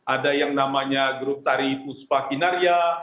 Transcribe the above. ada yang namanya grup tari puspa kinarya